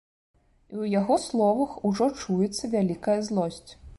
І ў яго словах ужо чуецца вялікая злосць.